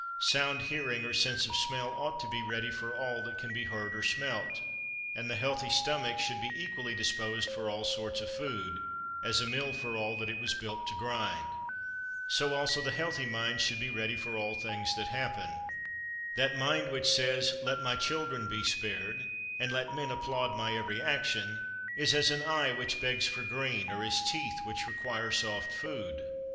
Sound hearing or sense of smell ought to be ready for all that can be heard or smelt; and the healthy stomach should be equally disposed for all sorts of food, as a mill for all that it was built to grind. So also the healthy mind should be ready for all things that happen. That mind which says, "Let my children be spared, and let men applaud my every action," is as an eye which begs for green, or as teeth which require soft food.